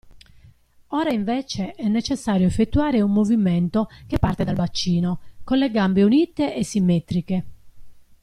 Ora invece è necessario effettuare un movimento che parte dal bacino, con le gambe unite e simmetriche.